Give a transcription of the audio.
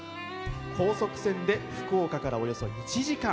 高速船で福岡からおよそ１時間。